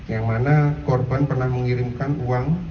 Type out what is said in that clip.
yang mana korban pernah mengirimkan uang